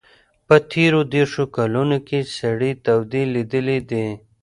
په تېرو دېرشو کلونو کې سړې تودې لیدلي دي.